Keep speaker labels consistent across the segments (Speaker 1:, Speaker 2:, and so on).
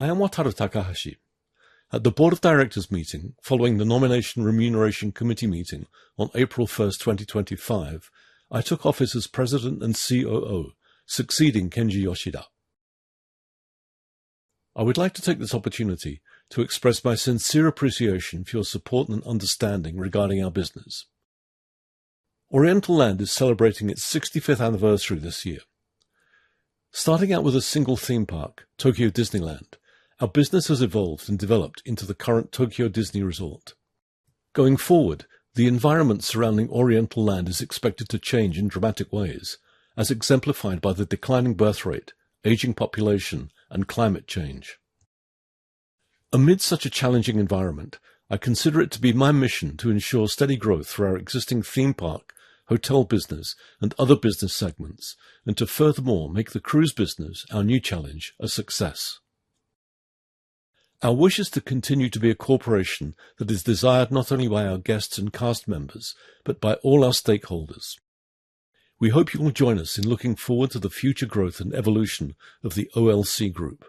Speaker 1: I am Wataru Takahashi. At the Board of Directors meeting following the Nomination and Remuneration Committee meeting on April 1, 2025, I took office as President and COO, succeeding Kenji Yoshida. I would like to take this opportunity to express my sincere appreciation for your support and understanding regarding our business. Oriental Land is celebrating its 65th anniversary this year. Starting out with a single theme park, Tokyo Disneyland, our business has evolved and developed into the current Tokyo Disney Resort. Going forward, the environment surrounding Oriental Land is expected to change in dramatic ways, as exemplified by the declining birth rate, aging population, and climate change. Amid such a challenging environment, I consider it to be my mission to ensure steady growth for our existing theme park, hotel business, and other business segments, and to furthermore make the cruise business, our new challenge, a success. Our wish is to continue to be a corporation that is desired not only by our guests and cast members but by all our stakeholders. We hope you will join us in looking forward to the future growth and evolution of the OLC Group.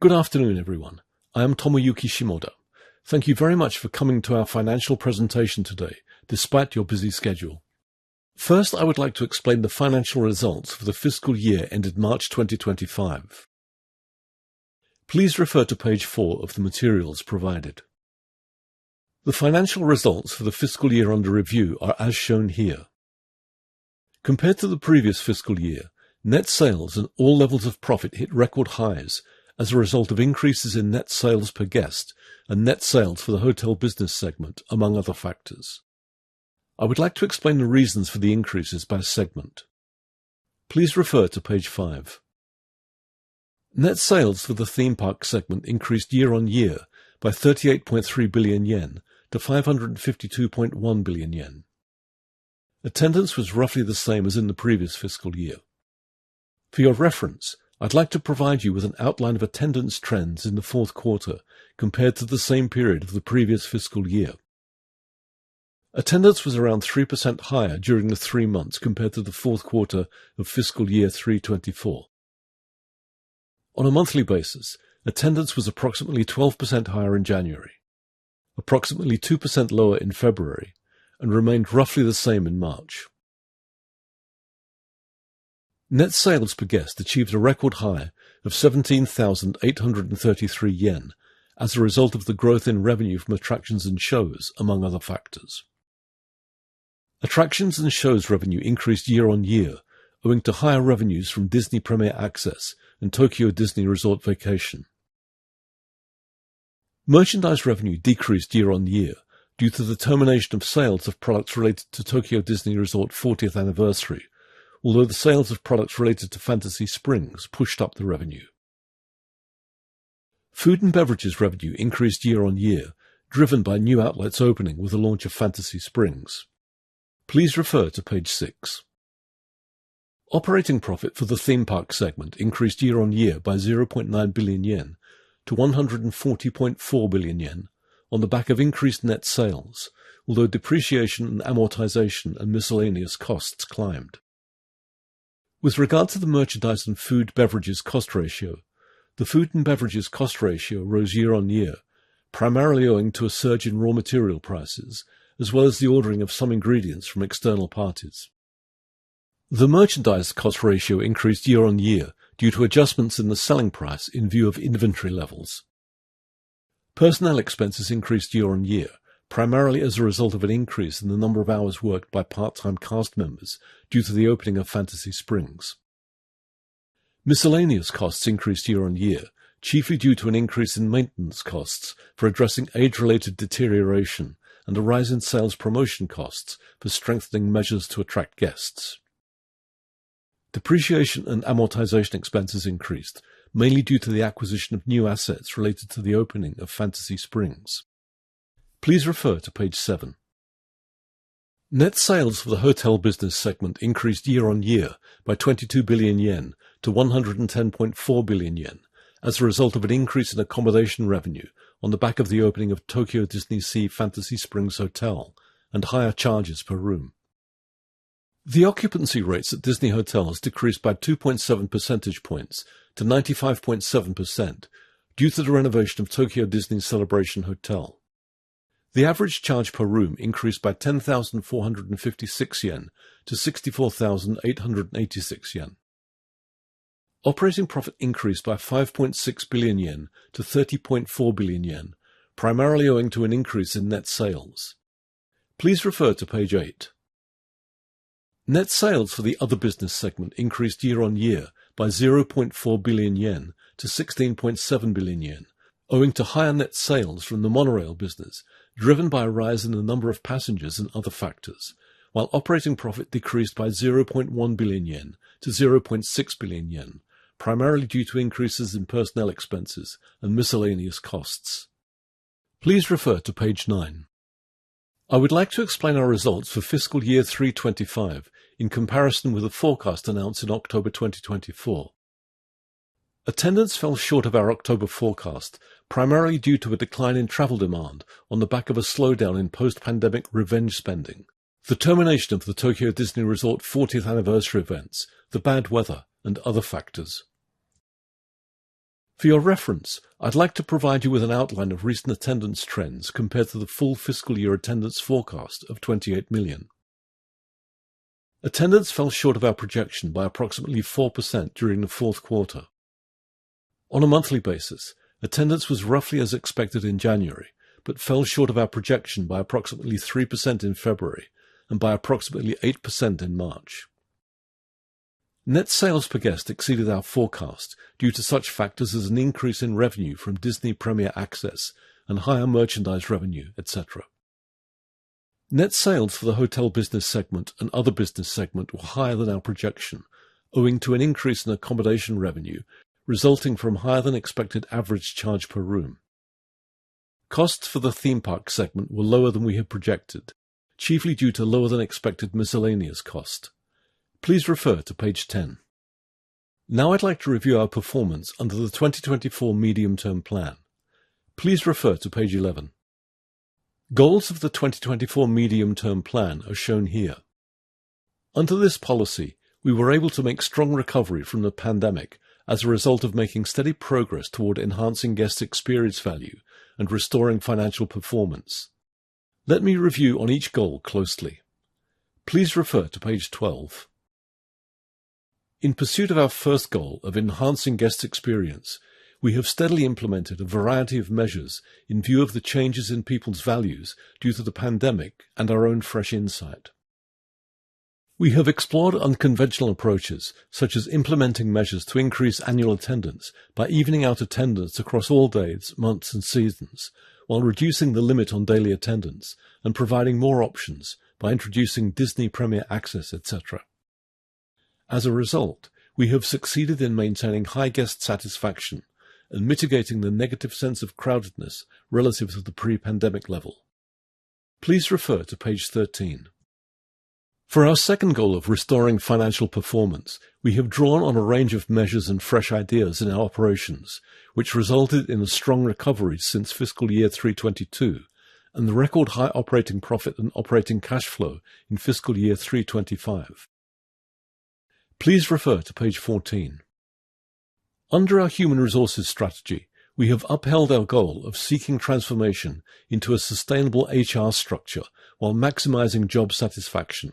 Speaker 1: Good afternoon, everyone. I am Tomoyuki Shimoda. Thank you very much for coming to our financial presentation today, despite your busy schedule. First, I would like to explain the financial results for the fiscal year ended March 2025. Please refer to page 4 of the materials provided. The financial results for the fiscal year under review are as shown here. Compared to the previous fiscal year, net sales and all levels of profit hit record highs as a result of increases in net sales per guest and net sales for the hotel business segment, among other factors. I would like to explain the reasons for the increases by segment. Please refer to page 5. Net sales for the theme park segment increased year-on-year by 38.3 billion yen to 552.1 billion yen. Attendance was roughly the same as in the previous fiscal year. For your reference, I'd like to provide you with an outline of attendance trends in the fourth quarter compared to the same period of the previous fiscal year. Attendance was around 3% higher during the three months compared to the fourth quarter of fiscal year 2024/03. On a monthly basis, attendance was approximately 12% higher in January, approximately 2% lower in February, and remained roughly the same in March. Net sales per guest achieved a record high of 17,833 yen as a result of the growth in revenue from attractions and shows, among other factors. Attractions and shows revenue increased year-on-year, owing to higher revenues from Disney Premier Access and Tokyo Disney Resort Vacation. Merchandise revenue decreased year-on-year due to the termination of sales of products related to Tokyo Disney Resort's 40th anniversary, although the sales of products related to Fantasy Springs pushed up the revenue. Food and beverages revenue increased year-on-year, driven by new outlets opening with the launch of Fantasy Springs. Please refer to page 6. Operating profit for the theme park segment increased year-on-year by 0.9 billion yen to 140.4 billion yen on the back of increased net sales, although depreciation and amortization and miscellaneous costs climbed. With regard to the merchandise and food and beverages cost ratio, the food and beverages cost ratio rose year-on-year, primarily owing to a surge in raw material prices as well as the ordering of some ingredients from external parties. The merchandise cost ratio increased year-on-year due to adjustments in the selling price in view of inventory levels. Personnel expenses increased year-on-year, primarily as a result of an increase in the number of hours worked by part-time cast members due to the opening of Fantasy Springs. Miscellaneous costs increased year-on-year, chiefly due to an increase in maintenance costs for addressing age-related deterioration and a rise in sales promotion costs for strengthening measures to attract guests. Depreciation and amortization expenses increased, mainly due to the acquisition of new assets related to the opening of Fantasy Springs. Please refer to page 7. Net sales for the hotel business segment increased year-on-year by 22 billion yen to 110.4 billion yen as a result of an increase in accommodation revenue on the back of the opening of Tokyo DisneySea Fantasy Springs Hotel and higher charges per room. The occupancy rates at Disney Hotel have decreased by 2.7 percentage points to 95.7% due to the renovation of Tokyo Disney Celebration Hotel. The average charge per room increased by 10,456 yen to 64,886 yen. Operating profit increased by 5.6 billion yen to 30.4 billion yen, primarily owing to an increase in net sales. Please refer to page 8. Net sales for the other business segment increased year-on-year by 0.4 billion yen to 16.7 billion yen, owing to higher net sales from the monorail business driven by a rise in the number of passengers and other factors, while operating profit decreased by 0.1 billion yen to 0.6 billion yen, primarily due to increases in personnel expenses and miscellaneous costs. Please refer to page 9. I would like to explain our results for fiscal year 2025/03 in comparison with the forecast announced in October 2024. Attendance fell short of our October forecast, primarily due to a decline in travel demand on the back of a slowdown in post-pandemic revenge spending, the termination of the Tokyo Disney Resort 40th anniversary events, the bad weather, and other factors. For your reference, I'd like to provide you with an outline of recent attendance trends compared to the full fiscal year attendance forecast of 28 million. Attendance fell short of our projection by approximately 4% during the fourth quarter. On a monthly basis, attendance was roughly as expected in January but fell short of our projection by approximately 3% in February and by approximately 8% in March. Net sales per guest exceeded our forecast due to such factors as an increase in revenue from Disney Premier Access and higher merchandise revenue, etc. Net sales for the hotel business segment and other business segment were higher than our projection, owing to an increase in accommodation revenue resulting from higher than expected average charge per room. Costs for the theme park segment were lower than we had projected, chiefly due to lower than expected miscellaneous cost. Please refer to page 10. Now I'd like to review our performance under the 2024 Medium-Term Plan. Please refer to page 11. Goals of the 2024 Medium-Term Plan are shown here. Under this policy, we were able to make strong recovery from the pandemic as a result of making steady progress toward enhancing guest experience value and restoring financial performance. Let me review each goal closely. Please refer to page 12. In pursuit of our first goal of enhancing guest experience, we have steadily implemented a variety of measures in view of the changes in people's values due to the pandemic and our own fresh insight. We have explored unconventional approaches such as implementing measures to increase annual attendance by evening out attendance across all days, months, and seasons, while reducing the limit on daily attendance and providing more options by introducing Disney Premier Access, etc. As a result, we have succeeded in maintaining high guest satisfaction and mitigating the negative sense of crowdedness relative to the pre-pandemic level. Please refer to page 13. For our second goal of restoring financial performance, we have drawn on a range of measures and fresh ideas in our operations, which resulted in a strong recovery since fiscal year 2022 and the record high operating profit and operating cash flow in fiscal year 2025. Please refer to page 14. Under our human resources strategy, we have upheld our goal of seeking transformation into a sustainable HR structure while maximizing job satisfaction.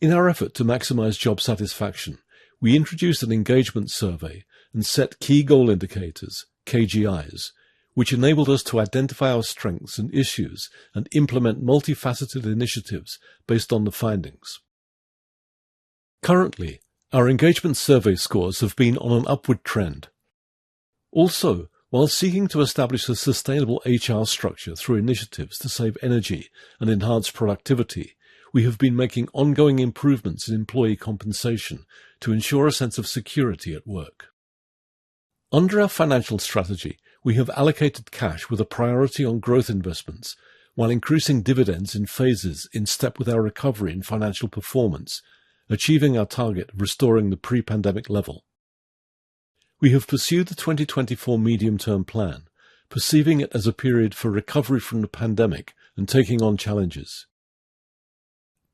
Speaker 1: In our effort to maximize job satisfaction, we introduced an engagement survey and set key goal indicators, KGIs, which enabled us to identify our strengths and issues and implement multifaceted initiatives based on the findings. Currently, our engagement survey scores have been on an upward trend. Also, while seeking to establish a sustainable HR structure through initiatives to save energy and enhance productivity, we have been making ongoing improvements in employee compensation to ensure a sense of security at work. Under our financial strategy, we have allocated cash with a priority on growth investments while increasing dividends in phases in step with our recovery in financial performance, achieving our target of restoring the pre-pandemic level. We have pursued the 2024 Medium-Term Plan, perceiving it as a period for recovery from the pandemic and taking on challenges.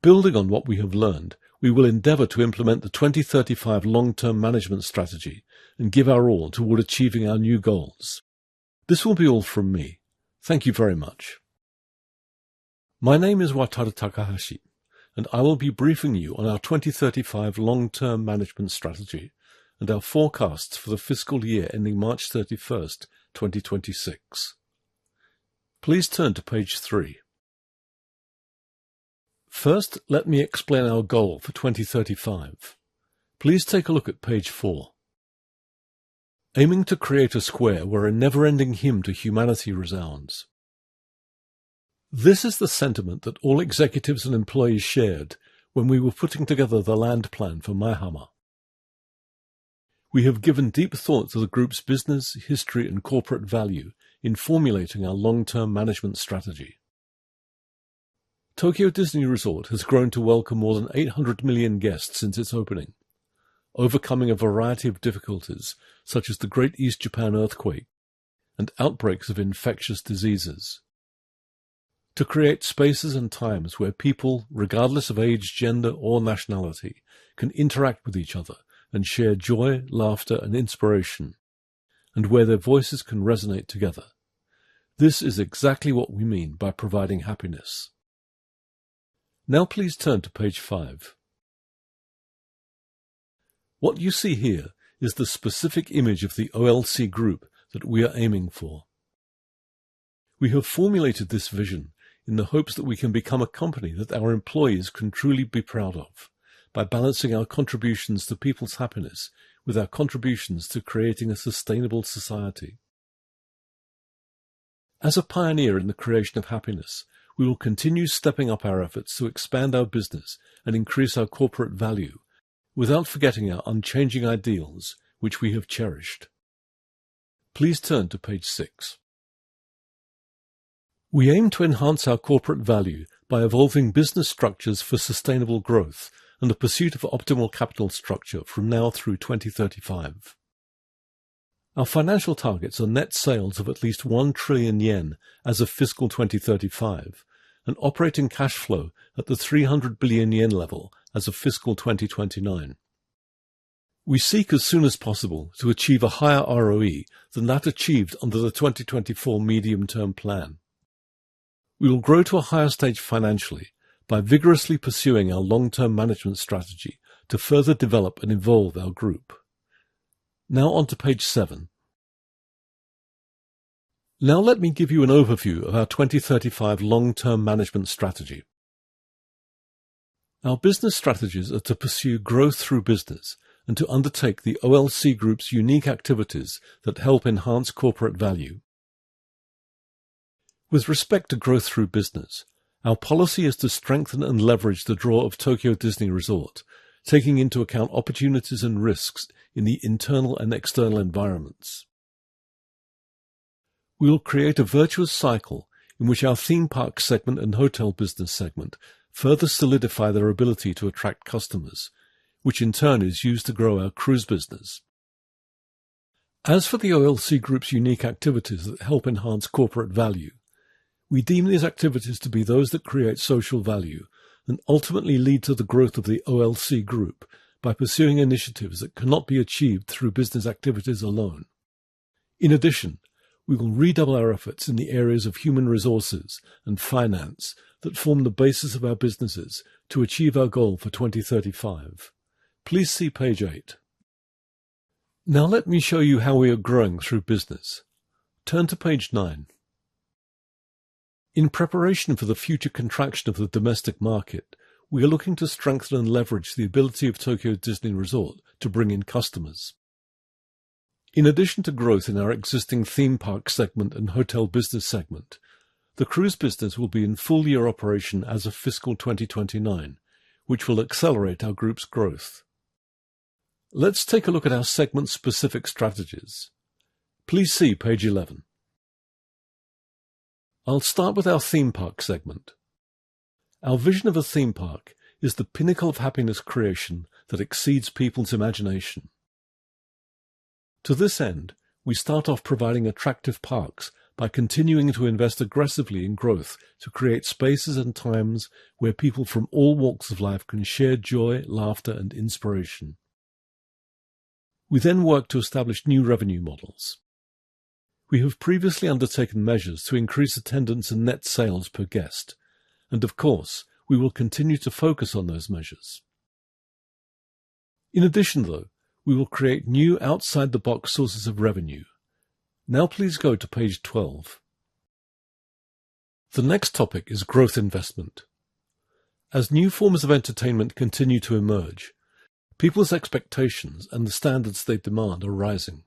Speaker 1: Building on what we have learned, we will endeavor to implement the 2035 Long-Term Management Strategy and give our all toward achieving our new goals. This will be all from me. Thank you very much. My name is Wataru Takahashi, and I will be briefing you on our 2035 Long-Term Management Strategy and our forecasts for the fiscal year ending March 31, 2026. Please turn to page 3. First, let me explain our goal for 2035. Please take a look at page 4. Aiming to create a square where a never-ending hymn to humanity resounds. This is the sentiment that all executives and employees shared when we were putting together the land plan for Maihama. We have given deep thoughts to the group's business, history, and corporate value in formulating our long-term management strategy. Tokyo Disney Resort has grown to welcome more than 800 million guests since its opening, overcoming a variety of difficulties such as the Great East Japan Earthquake and outbreaks of infectious diseases. To create spaces and times where people, regardless of age, gender, or nationality, can interact with each other and share joy, laughter, and inspiration, and where their voices can resonate together. This is exactly what we mean by providing happiness. Now please turn to page 5. What you see here is the specific image of the OLC Group that we are aiming for. We have formulated this vision in the hopes that we can become a company that our employees can truly be proud of by balancing our contributions to people's happiness with our contributions to creating a sustainable society. As a pioneer in the creation of happiness, we will continue stepping up our efforts to expand our business and increase our corporate value without forgetting our unchanging ideals, which we have cherished. Please turn to page 6. We aim to enhance our corporate value by evolving business structures for sustainable growth and the pursuit of optimal capital structure from now through 2035. Our financial targets are net sales of at least 1 trillion yen as of fiscal 2035 and operating cash flow at the 300 billion yen level as of fiscal 2029. We seek as soon as possible to achieve a higher ROE than that achieved under the 2024 Medium-Term Plan. We will grow to a higher stage financially by vigorously pursuing our long-term management strategy to further develop and evolve our group. Now on to page 7. Now let me give you an overview of our 2035 Long-Term Management Strategy. Our business strategies are to pursue growth through business and to undertake the OLC Group's unique activities that help enhance corporate value. With respect to growth through business, our policy is to strengthen and leverage the draw of Tokyo Disney Resort, taking into account opportunities and risks in the internal and external environments. We will create a virtuous cycle in which our theme park segment and hotel business segment further solidify their ability to attract customers, which in turn is used to grow our cruise business. As for the OLC Group's unique activities that help enhance corporate value, we deem these activities to be those that create social value and ultimately lead to the growth of the OLC Group by pursuing initiatives that cannot be achieved through business activities alone. In addition, we will redouble our efforts in the areas of human resources and finance that form the basis of our businesses to achieve our goal for 2035. Please see page 8. Now let me show you how we are growing through business. Turn to page 9. In preparation for the future contraction of the domestic market, we are looking to strengthen and leverage the ability of Tokyo Disney Resort to bring in customers. In addition to growth in our existing theme park segment and hotel business segment, the cruise business will be in full year operation as of fiscal 2029, which will accelerate our group's growth. Let's take a look at our segment-specific strategies. Please see page 11. I'll start with our theme park segment. Our vision of a theme park is the pinnacle of happiness creation that exceeds people's imagination. To this end, we start off providing attractive parks by continuing to invest aggressively in growth to create spaces and times where people from all walks of life can share joy, laughter, and inspiration. We then work to establish new revenue models. We have previously undertaken measures to increase attendance and net sales per guest, and of course, we will continue to focus on those measures. In addition, though, we will create new outside-the-box sources of revenue. Now please go to page 12. The next topic is growth investment. As new forms of entertainment continue to emerge, people's expectations and the standards they demand are rising.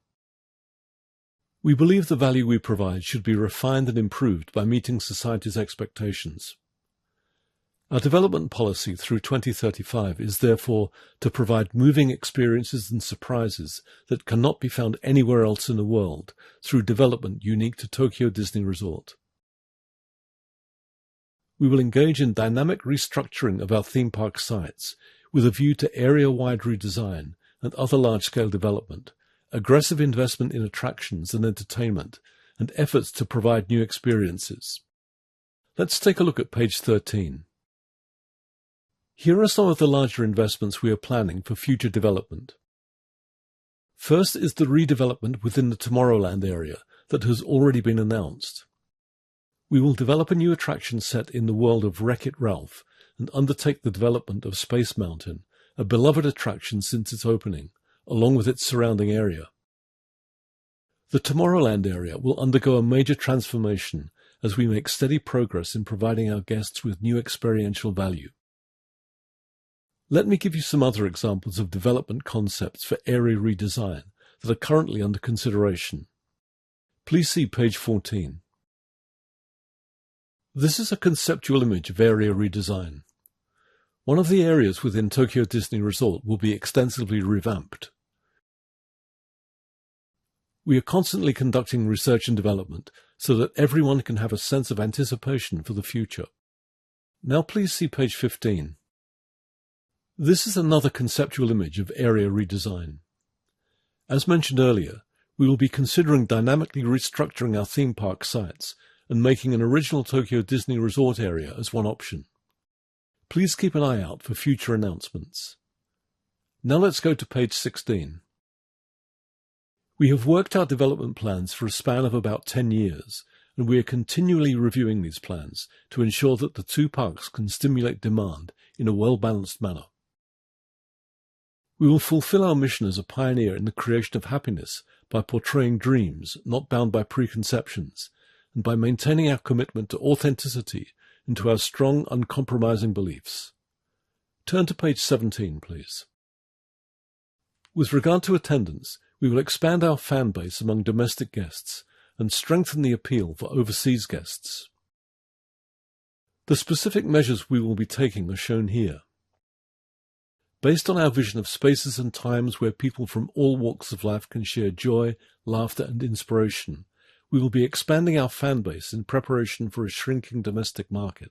Speaker 1: We believe the value we provide should be refined and improved by meeting society's expectations. Our development policy through 2035 is therefore to provide moving experiences and surprises that cannot be found anywhere else in the world through development unique to Tokyo Disney Resort. We will engage in dynamic restructuring of our theme park sites with a view to area-wide redesign and other large-scale development, aggressive investment in attractions and entertainment, and efforts to provide new experiences. Let's take a look at page 13. Here are some of the larger investments we are planning for future development. First is the redevelopment within the Tomorrowland area that has already been announced. We will develop a new attraction set in the world of Wreck-It Ralph and undertake the development of Space Mountain, a beloved attraction since its opening, along with its surrounding area. The Tomorrowland area will undergo a major transformation as we make steady progress in providing our guests with new experiential value. Let me give you some other examples of development concepts for area redesign that are currently under consideration. Please see page 14. This is a conceptual image of area redesign. One of the areas within Tokyo Disney Resort will be extensively revamped. We are constantly conducting research and development so that everyone can have a sense of anticipation for the future. Now please see page 15. This is another conceptual image of area redesign. As mentioned earlier, we will be considering dynamically restructuring our theme park sites and making an original Tokyo Disney Resort area as one option. Please keep an eye out for future announcements. Now let's go to page 16. We have worked our development plans for a span of about 10 years, and we are continually reviewing these plans to ensure that the two parks can stimulate demand in a well-balanced manner. We will fulfill our mission as a pioneer in the creation of happiness by portraying dreams not bound by preconceptions and by maintaining our commitment to authenticity and to our strong, uncompromising beliefs. Turn to page 17, please. With regard to attendance, we will expand our fan base among domestic guests and strengthen the appeal for overseas guests. The specific measures we will be taking are shown here. Based on our vision of spaces and times where people from all walks of life can share joy, laughter, and inspiration, we will be expanding our fan base in preparation for a shrinking domestic market.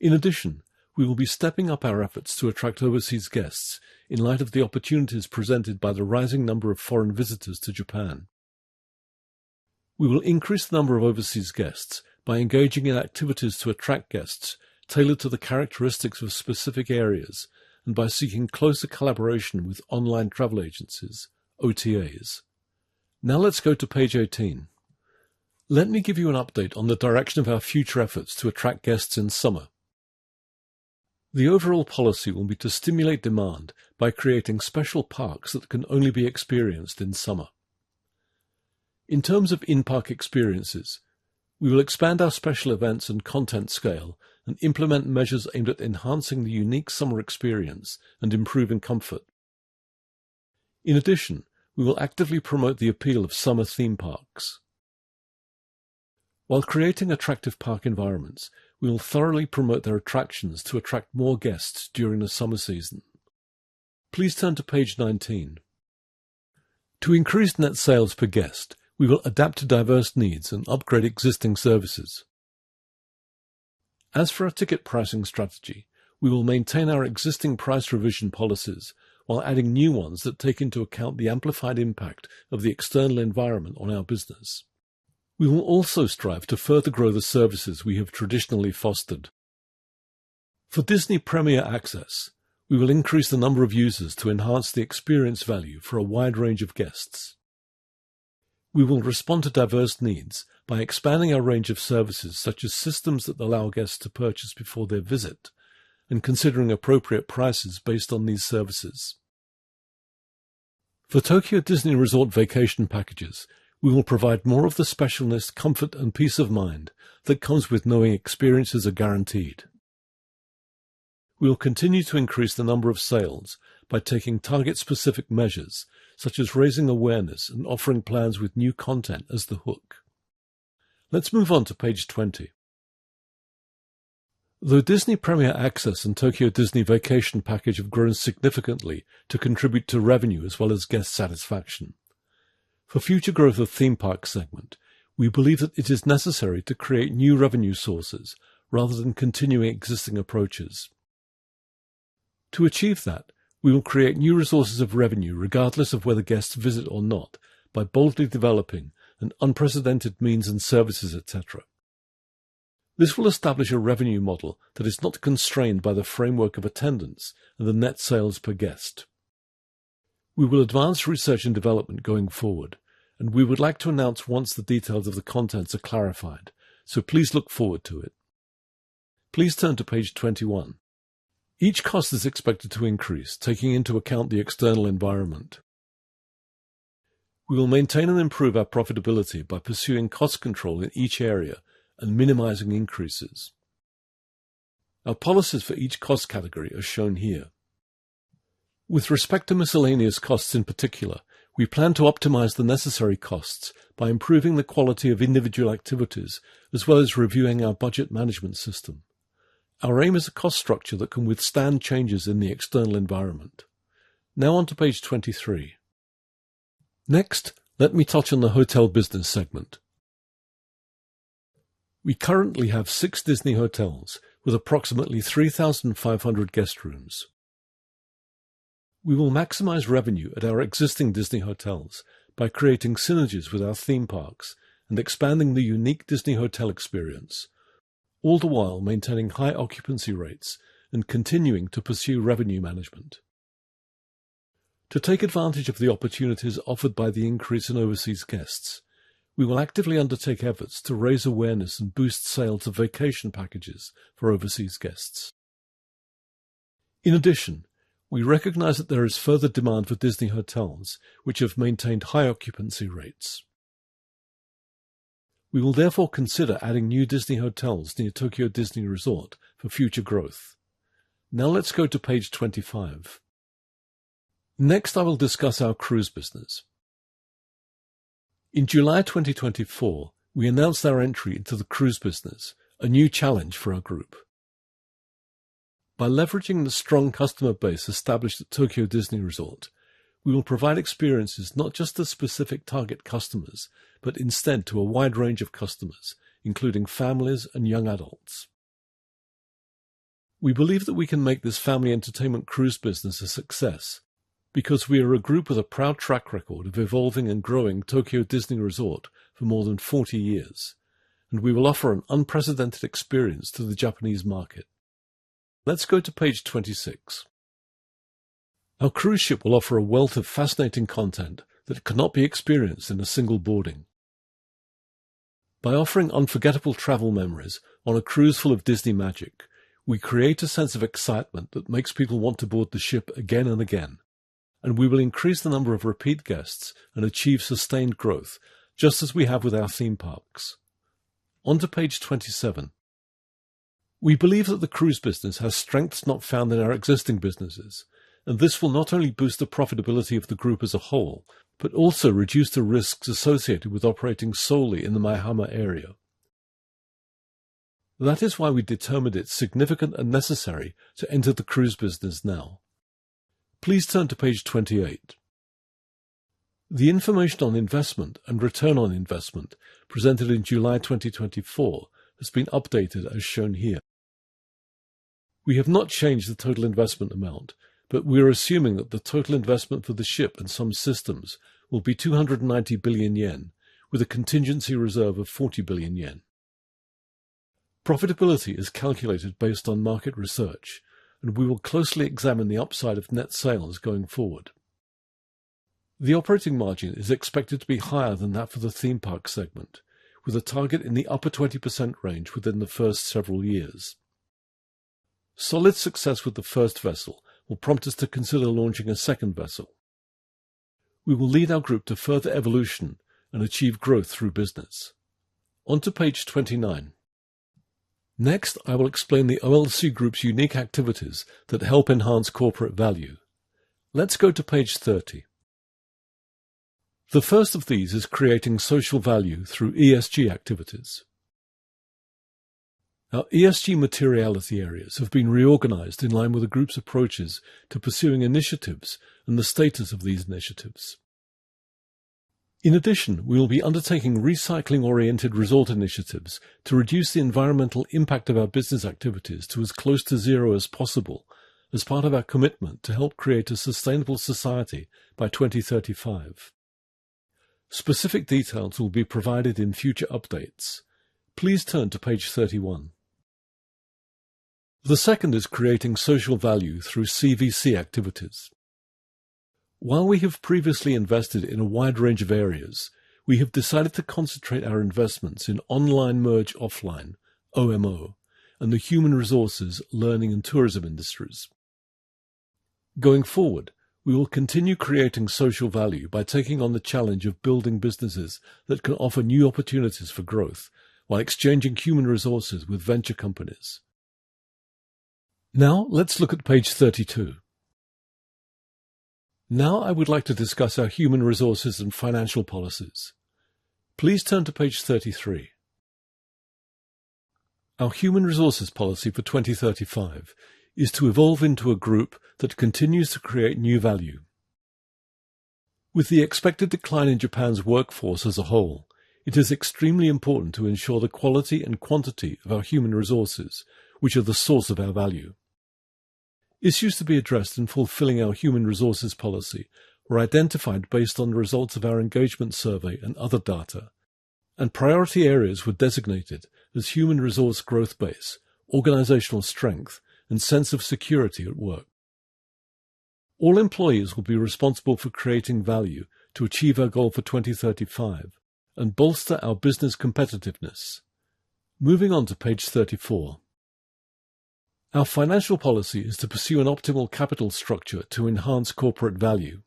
Speaker 1: In addition, we will be stepping up our efforts to attract overseas guests in light of the opportunities presented by the rising number of foreign visitors to Japan. We will increase the number of overseas guests by engaging in activities to attract guests tailored to the characteristics of specific areas and by seeking closer collaboration with online travel agencies, OTAs. Now let's go to page 18. Let me give you an update on the direction of our future efforts to attract guests in summer. The overall policy will be to stimulate demand by creating special parks that can only be experienced in summer. In terms of in-park experiences, we will expand our special events and content scale and implement measures aimed at enhancing the unique summer experience and improving comfort. In addition, we will actively promote the appeal of summer theme parks. While creating attractive park environments, we will thoroughly promote their attractions to attract more guests during the summer season. Please turn to page 19. To increase net sales per guest, we will adapt to diverse needs and upgrade existing services. As for our ticket pricing strategy, we will maintain our existing price revision policies while adding new ones that take into account the amplified impact of the external environment on our business. We will also strive to further grow the services we have traditionally fostered. For Disney Premier Access, we will increase the number of users to enhance the experience value for a wide range of guests. We will respond to diverse needs by expanding our range of services such as systems that allow guests to purchase before their visit and considering appropriate prices based on these services. For Tokyo Disney Resort Vacation Packages, we will provide more of the specialness, comfort, and peace of mind that comes with knowing experiences are guaranteed. We will continue to increase the number of sales by taking target-specific measures such as raising awareness and offering plans with new content as the hook. Let's move on to page 20. The Disney Premier Access and Tokyo Disney Resort Vacation Package have grown significantly to contribute to revenue as well as guest satisfaction. For future growth of theme park segment, we believe that it is necessary to create new revenue sources rather than continuing existing approaches. To achieve that, we will create new resources of revenue regardless of whether guests visit or not by boldly developing an unprecedented means and services, etc. This will establish a revenue model that is not constrained by the framework of attendance and the net sales per guest. We will advance research and development going forward, and we would like to announce once the details of the contents are clarified, so please look forward to it. Please turn to page 21. Each cost is expected to increase taking into account the external environment. We will maintain and improve our profitability by pursuing cost control in each area and minimizing increases. Our policies for each cost category are shown here. With respect to miscellaneous costs in particular, we plan to optimize the necessary costs by improving the quality of individual activities as well as reviewing our budget management system. Our aim is a cost structure that can withstand changes in the external environment. Now on to page 23. Next, let me touch on the hotel business segment. We currently have six Disney hotels with approximately 3,500 guest rooms. We will maximize revenue at our existing Disney hotels by creating synergies with our theme parks and expanding the unique Disney hotel experience, all the while maintaining high occupancy rates and continuing to pursue revenue management. To take advantage of the opportunities offered by the increase in overseas guests, we will actively undertake efforts to raise awareness and boost sales of Vacation Packages for overseas guests. In addition, we recognize that there is further demand for Disney hotels, which have maintained high occupancy rates. We will therefore consider adding new Disney hotels near Tokyo Disney Resort for future growth. Now let's go to page 25. Next, I will discuss our cruise business. In July 2024, we announced our entry into the cruise business, a new challenge for our group. By leveraging the strong customer base established at Tokyo Disney Resort, we will provide experiences not just to specific target customers but instead to a wide range of customers, including families and young adults. We believe that we can make this family entertainment cruise business a success because we are a group with a proud track record of evolving and growing Tokyo Disney Resort for more than 40 years, and we will offer an unprecedented experience to the Japanese market. Let's go to page 26. Our cruise ship will offer a wealth of fascinating content that cannot be experienced in a single boarding. By offering unforgettable travel memories on a cruise full of Disney magic, we create a sense of excitement that makes people want to board the ship again and again, and we will increase the number of repeat guests and achieve sustained growth, just as we have with our theme parks. On to page 27. We believe that the cruise business has strengths not found in our existing businesses, and this will not only boost the profitability of the group as a whole but also reduce the risks associated with operating solely in the Maihama area. That is why we determined it's significant and necessary to enter the cruise business now. Please turn to page 28. The information on investment and return on investment presented in July 2024 has been updated as shown here. We have not changed the total investment amount, but we are assuming that the total investment for the ship and some systems will be 290 billion yen, with a contingency reserve of 40 billion yen. Profitability is calculated based on market research, and we will closely examine the upside of net sales going forward. The operating margin is expected to be higher than that for the theme park segment, with a target in the upper 20% range within the first several years. Solid success with the first vessel will prompt us to consider launching a second vessel. We will lead our group to further evolution and achieve growth through business. On to page 29. Next, I will explain the OLC Group's unique activities that help enhance corporate value. Let's go to page 30. The first of these is creating social value through ESG activities. Our ESG materiality areas have been reorganized in line with the group's approaches to pursuing initiatives and the status of these initiatives. In addition, we will be undertaking recycling-oriented resort initiatives to reduce the environmental impact of our business activities to as close to zero as possible as part of our commitment to help create a sustainable society by 2035. Specific details will be provided in future updates. Please turn to page 31. The second is creating social value through CVC activities. While we have previously invested in a wide range of areas, we have decided to concentrate our investments in Online Merge-Offline (OMO) and the human resources, learning, and tourism industries. Going forward, we will continue creating social value by taking on the challenge of building businesses that can offer new opportunities for growth while exchanging human resources with venture companies. Now let's look at page 32. Now I would like to discuss our human resources and financial policies. Please turn to page 33. Our human resources policy for 2035 is to evolve into a group that continues to create new value. With the expected decline in Japan's workforce as a whole, it is extremely important to ensure the quality and quantity of our human resources, which are the source of our value. Issues to be addressed in fulfilling our human resources policy were identified based on the results of our engagement survey and other data, and priority areas were designated as human resource growth base, organizational strength, and sense of security at work. All employees will be responsible for creating value to achieve our goal for 2035 and bolster our business competitiveness. Moving on to page 34. Our financial policy is to pursue an optimal capital structure to enhance corporate value.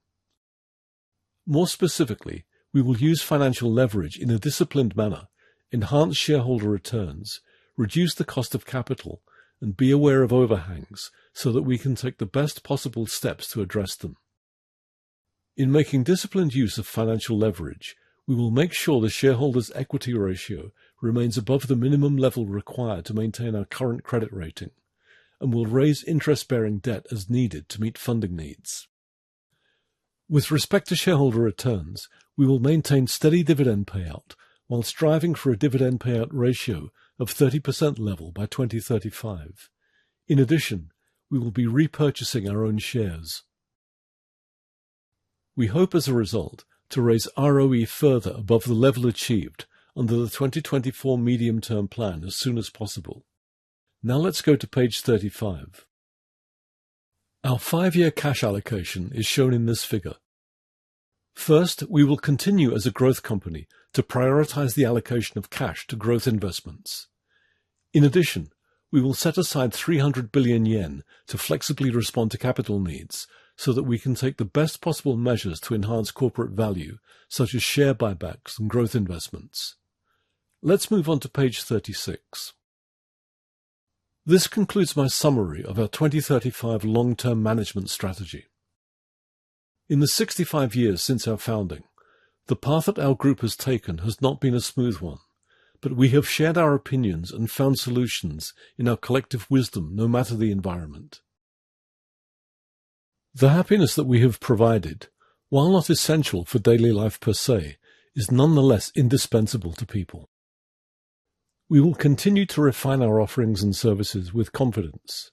Speaker 1: More specifically, we will use financial leverage in a disciplined manner, enhance shareholder returns, reduce the cost of capital, and be aware of overhangs so that we can take the best possible steps to address them. In making disciplined use of financial leverage, we will make sure the shareholders' equity ratio remains above the minimum level required to maintain our current credit rating and will raise interest-bearing debt as needed to meet funding needs. With respect to shareholder returns, we will maintain steady dividend payout while striving for a dividend payout ratio of 30% level by 2035. In addition, we will be repurchasing our own shares. We hope, as a result, to raise ROE further above the level achieved under the 2024 Medium-Term Plan as soon as possible. Now let's go to page 35. Our five-year cash allocation is shown in this figure. First, we will continue as a growth company to prioritize the allocation of cash to growth investments. In addition, we will set aside 300 billion yen to flexibly respond to capital needs so that we can take the best possible measures to enhance corporate value, such as share buybacks and growth investments. Let's move on to page 36. This concludes my summary of our 2035 Long-Term Management Strategy. In the 65 years since our founding, the path that our group has taken has not been a smooth one, but we have shared our opinions and found solutions in our collective wisdom no matter the environment. The happiness that we have provided, while not essential for daily life per se, is nonetheless indispensable to people. We will continue to refine our offerings and services with confidence.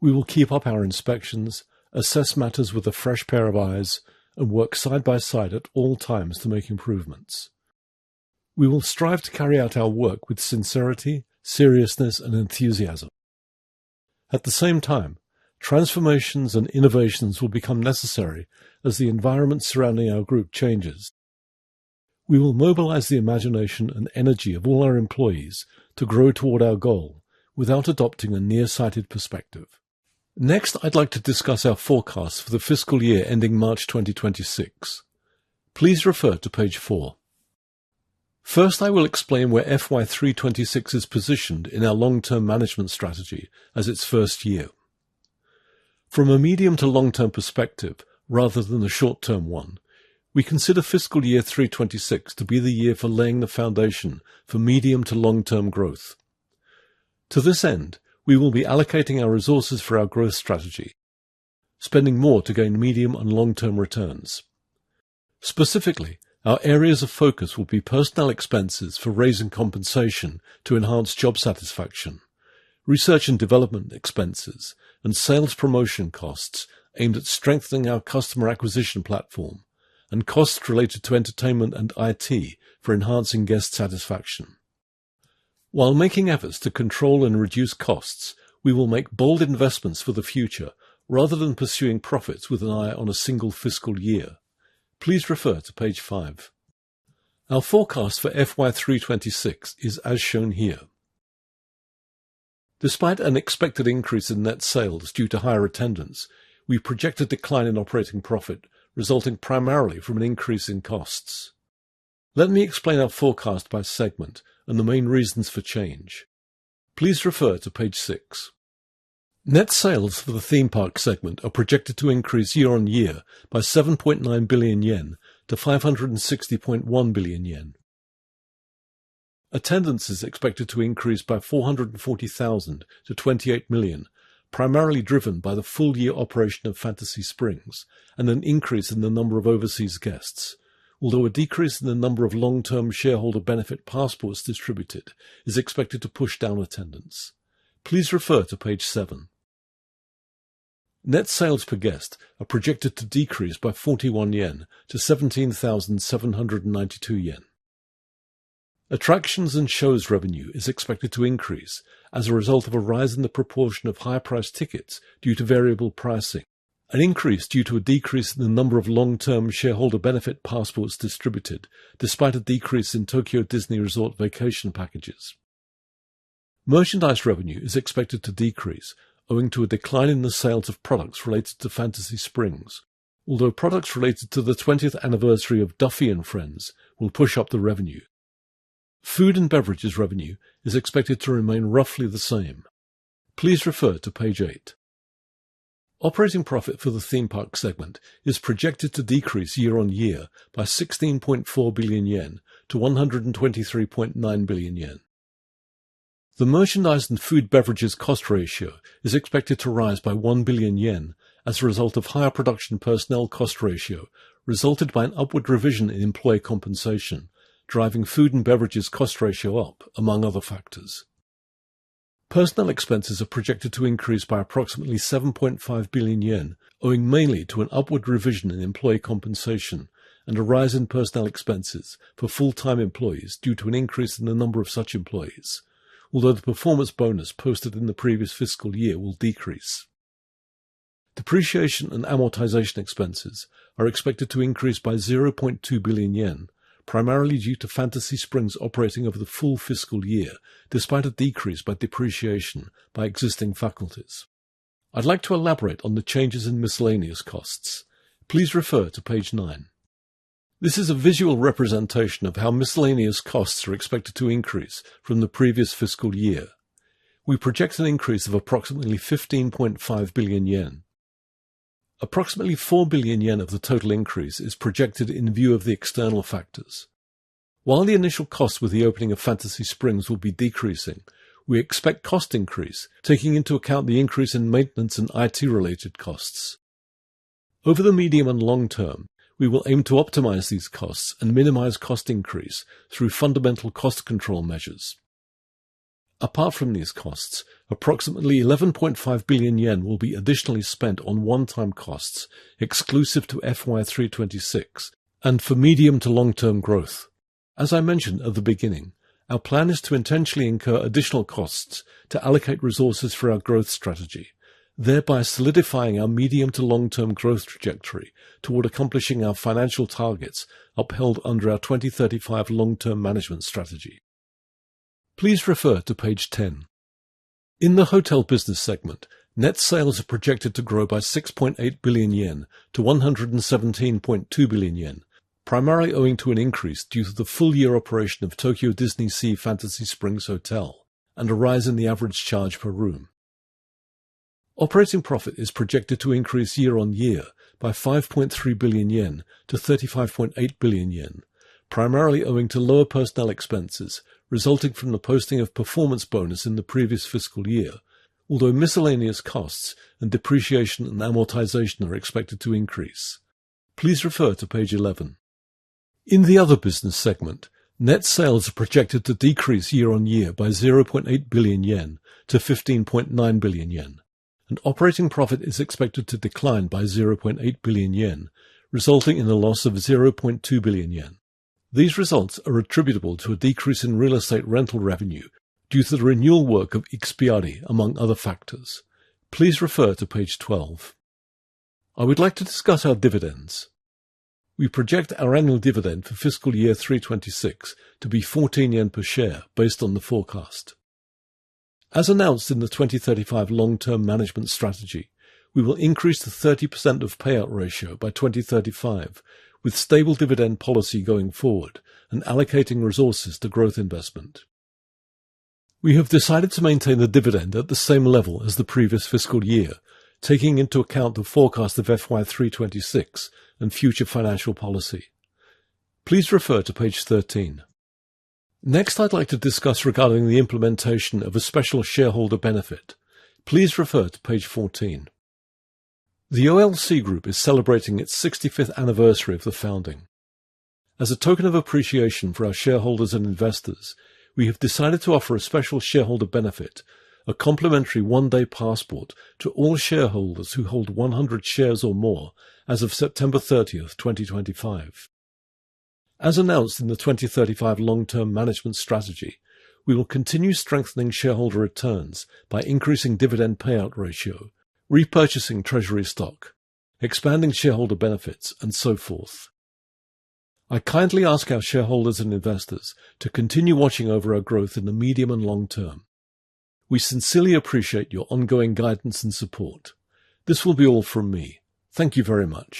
Speaker 1: We will keep up our inspections, assess matters with a fresh pair of eyes, and work side by side at all times to make improvements. We will strive to carry out our work with sincerity, seriousness, and enthusiasm. At the same time, transformations and innovations will become necessary as the environment surrounding our group changes. We will mobilize the imagination and energy of all our employees to grow toward our goal without adopting a nearsighted perspective. Next, I'd like to discuss our forecast for the fiscal year ending March 2026. Please refer to page 4. First, I will explain where fiscal year 2026 is positioned in our long-term management strategy as its first year. From a medium to long-term perspective rather than the short-term one, we consider fiscal year 2026 to be the year for laying the foundation for medium to long-term growth. To this end, we will be allocating our resources for our growth strategy, spending more to gain medium and long-term returns. Specifically, our areas of focus will be personnel expenses for raising compensation to enhance job satisfaction, research and development expenses and sales promotion costs aimed at strengthening our customer acquisition platform, and costs related to entertainment and IT for enhancing guest satisfaction. While making efforts to control and reduce costs, we will make bold investments for the future rather than pursuing profits with an eye on a single fiscal year. Please refer to page 5. Our forecast for fiscal year 2026 is as shown here. Despite an expected increase in net sales due to higher attendance, we project a decline in operating profit resulting primarily from an increase in costs. Let me explain our forecast by segment and the main reasons for change. Please refer to page 6. Net sales for the theme park segment are projected to increase year on year by 7.9 billion yen to 560.1 billion yen. Attendance is expected to increase by 440,000 to 28 million, primarily driven by the full year operation of Fantasy Springs and an increase in the number of overseas guests, although a decrease in the number of long-term shareholder benefit passports distributed is expected to push down attendance. Please refer to page 7. Net sales per guest are projected to decrease by 41 yen to 17,792 yen. Attractions and shows revenue is expected to increase as a result of a rise in the proportion of high-priced tickets due to variable pricing, an increase due to a decrease in the number of long-term shareholder benefit passports distributed despite a decrease in Tokyo Disney Resort Vacation Packages. Merchandise revenue is expected to decrease owing to a decline in the sales of products related to Fantasy Springs, although products related to the 20th anniversary of Duffy and Friends will push up the revenue. Food and beverages revenue is expected to remain roughly the same. Please refer to page 8. Operating profit for the theme park segment is projected to decrease year on year by 16.4 billion yen to 123.9 billion yen. The merchandise and food beverages cost ratio is expected to rise by 1 billion yen as a result of higher production personnel cost ratio resulted by an upward revision in employee compensation, driving food and beverages cost ratio up, among other factors. Personnel expenses are projected to increase by approximately 7.5 billion yen, owing mainly to an upward revision in employee compensation and a rise in personnel expenses for full-time employees due to an increase in the number of such employees, although the performance bonus posted in the previous fiscal year will decrease. Depreciation and amortization expenses are expected to increase by 0.2 billion yen, primarily due to Fantasy Springs operating over the full fiscal year despite a decrease in depreciation by existing facilities. I'd like to elaborate on the changes in miscellaneous costs. Please refer to page 9. This is a visual representation of how miscellaneous costs are expected to increase from the previous fiscal year. We project an increase of approximately 15.5 billion yen. Approximately 4 billion yen of the total increase is projected in view of the external factors. While the initial costs with the opening of Fantasy Springs will be decreasing, we expect cost increase taking into account the increase in maintenance and IT-related costs. Over the medium and long term, we will aim to optimize these costs and minimize cost increase through fundamental cost control measures. Apart from these costs, approximately 11.5 billion yen will be additionally spent on one-time costs exclusive to FY 2026 and for medium to long-term growth. As I mentioned at the beginning, our plan is to intentionally incur additional costs to allocate resources for our growth strategy, thereby solidifying our medium to long-term growth trajectory toward accomplishing our financial targets upheld under our 2035 Long-Term Management Strategy. Please refer to page 10. In the hotel business segment, net sales are projected to grow by 6.8 billion yen to 117.2 billion yen, primarily owing to an increase due to the full year operation of Tokyo DisneySea Fantasy Springs Hotel and a rise in the average charge per room. Operating profit is projected to increase year on year by 5.3 billion yen to 35.8 billion yen, primarily owing to lower personnel expenses resulting from the posting of performance bonus in the previous fiscal year, although miscellaneous costs and depreciation and amortization are expected to increase. Please refer to page 11. In the other business segment, net sales are projected to decrease year on year by 0.8 billion yen to 15.9 billion yen, and operating profit is expected to decline by 0.8 billion yen, resulting in a loss of 0.2 billion yen. These results are attributable to a decrease in real estate rental revenue due to the renewal work of Ikspiari, among other factors. Please refer to page 12. I would like to discuss our dividends. We project our annual dividend for fiscal year 2026 to be 14 yen per share based on the forecast. As announced in the 2035 Long-Term Management Strategy, we will increase the payout ratio to 30% by 2035 with a stable dividend policy going forward and allocating resources to growth investment. We have decided to maintain the dividend at the same level as the previous fiscal year, taking into account the forecast of FY2026 and future financial policy. Please refer to page 13. Next, I'd like to discuss regarding the implementation of a special shareholder benefit. Please refer to page 14. The OLC Group is celebrating its 65th anniversary of the founding. As a token of appreciation for our shareholders and investors, we have decided to offer a special shareholder benefit, a complimentary One-Day Passport to all shareholders who hold 100 shares or more as of September 30, 2025. As announced in the 2035 Long-Term Management Strategy, we will continue strengthening shareholder returns by increasing dividend payout ratio, repurchasing treasury stock, expanding shareholder benefits, and so forth. I kindly ask our shareholders and investors to continue watching over our growth in the medium and long term. We sincerely appreciate your ongoing guidance and support. This will be all from me. Thank you very much.